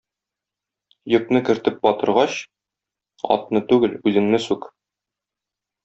Йөкне кертеп батыргач атны түгел үзеңне сүк.